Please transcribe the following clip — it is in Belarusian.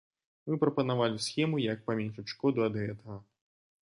Мы прапанавалі схему, як паменшыць шкоду ад гэтага.